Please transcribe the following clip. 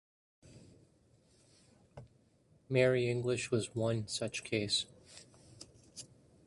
Mary English was one such case.